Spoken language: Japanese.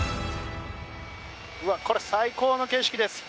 これ、最高の景色です。